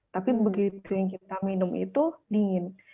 tapi begitu yang kita minum itu dingin